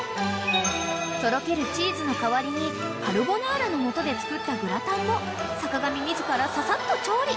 ［とろけるチーズの代わりにカルボナーラのもとで作ったグラタンも坂上自らささっと調理］